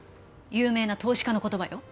有名な投資家の言葉よ